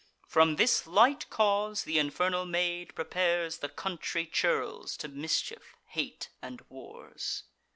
From this light cause th' infernal maid prepares The country churls to mischief, hate, and wars.